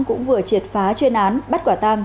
cũng vừa triệt phá chuyên án bắt quả tàng